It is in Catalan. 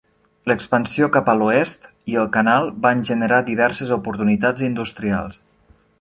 L"expansió cap a l"oest i el canal van generar diverses oportunitats industrials.